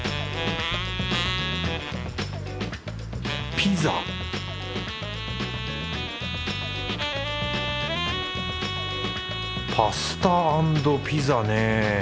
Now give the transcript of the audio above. ピザパスタ＆ピザね。